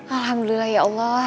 alhamdulillah ya allah